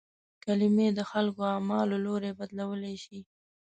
کلمې د خلکو اعمالو لوری بدلولای شي.